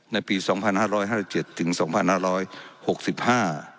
ในปีสองพันห้าร้อยห้าเจ็ดถึงสองพันห้าร้อยหกสิบห้า